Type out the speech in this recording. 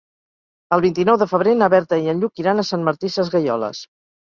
El vint-i-nou de febrer na Berta i en Lluc iran a Sant Martí Sesgueioles.